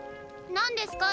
何ですか？